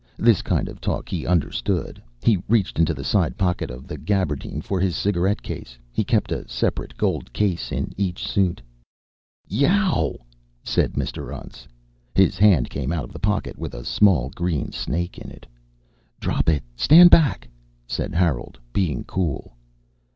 This kind of talk he understood. He reached into the side pocket of the gabardine for his cigarette case. He kept a separate gold case in each suit. "Yeeeeow!" said Mr. Untz. His hand came out of the pocket with a small green snake in it. "Drop it! Stand back!" said Harold, being cool.